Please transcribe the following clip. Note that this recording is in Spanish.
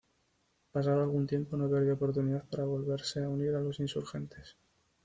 Pasado algún tiempo, no perdió oportunidad para volverse a unir a los insurgentes.